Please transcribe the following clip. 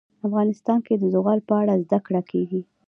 افغانستان کې د زغال په اړه زده کړه کېږي.